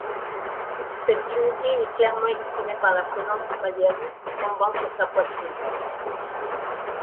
Cette dignité est clairement exprimée par la présence du pallium tombant sur sa poitrine.